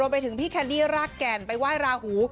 ไปถึงพี่แคนดี้รากแก่นไปไหว้ราหู